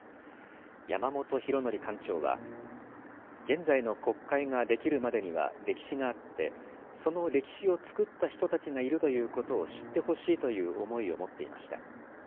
山本浩慎館長は、現在の国会ができるまでには歴史があって、その歴史を作った人たちがいるということを知ってほしいという思いを持っていました。